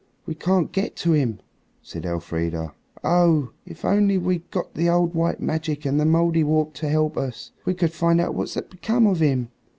We can't get to him," said Elfrida. "Oh! if only we'd got the old white magic and the Mouldiwarp to help us, we could find out what's become of him."